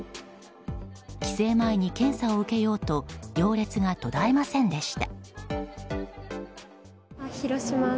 帰省前に検査を受けようと行列が途絶えませんでした。